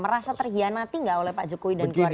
rasa terhianati gak oleh pak jokowi dan keluarganya